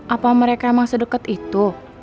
apa mereka emang sedekat itu